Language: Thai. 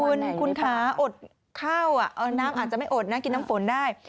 คุณคุณคะอดข้าวน้ำอาจจะไม่อดนะกินน้ำฝนได้